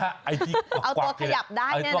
เอาตัวขยับได้เนี่ยนะ